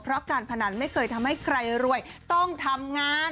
เพราะการพนันไม่เคยทำให้ใครรวยต้องทำงาน